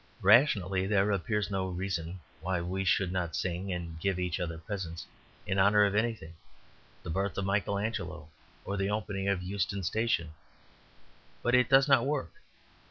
Rationally there appears no reason why we should not sing and give each other presents in honour of anything the birth of Michael Angelo or the opening of Euston Station. But it does not work.